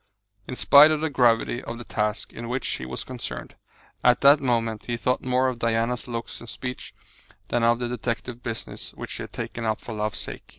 In spite of the gravity of the task in which he was concerned, at that moment he thought more of Diana's looks and speech than of the detective business which he had taken up for love's sake.